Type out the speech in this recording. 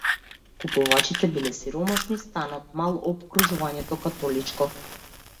Купувачите биле сиромашни, станот - мал, опкружувањето - католичко.